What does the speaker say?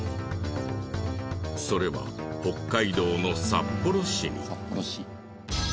それは北海道の札幌市に。